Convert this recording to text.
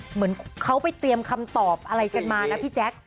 เหมือนเขาไปเตรียมคำตอบอะไรกันมานะพี่แจ๊ค